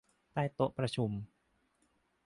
ใต้โต๊ะประชุม